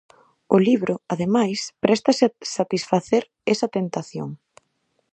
O libro, ademais, préstase a satisfacer esa tentación.